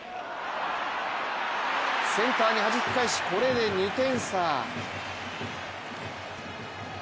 センターにはじき返し、これで２点差。